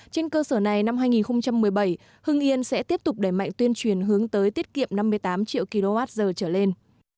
trên cơ sở này năm hai nghìn một mươi bảy hưng yên sẽ tiếp tục đẩy mạnh tuyên truyền hướng tới tiết kiệm năm mươi tám triệu kwh trở lên